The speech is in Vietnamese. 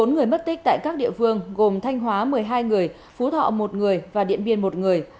bốn người mất tích tại các địa phương gồm thanh hóa một mươi hai người phú thọ một người và điện biên một người